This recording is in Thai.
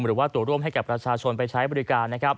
หรือตัวร่วมให้กับราชาชนไปใช้บริการ